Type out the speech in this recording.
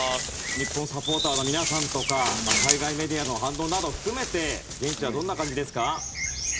日本サポーターの皆さんとか海外メディアの反応など含めて現地はどんな感じですか？